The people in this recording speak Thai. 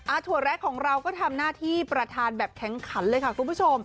ถั่วแรกของเราก็ทำหน้าที่ประธานแบบแข็งขันเลยค่ะคุณผู้ชม